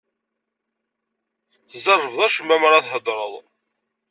Tzerrbeḍ acemma mara theddreḍ.